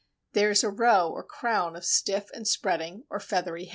There is a row or crown of stiff and spreading or feathery hairs.